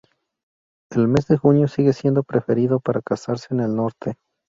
El mes de junio sigue siendo preferido para casarse en el norte.